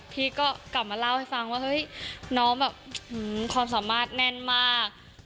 พี่ก็กลับมาเล่าให้ฟังว่าเฮ้ยน้องแบบความสามารถแน่นมาก